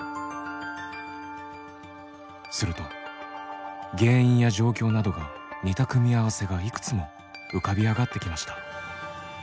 すると原因や状況などが似た組み合わせがいくつも浮かび上がってきました。